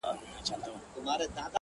چي تلاوت وي ورته خاندي، موسيقۍ ته ژاړي.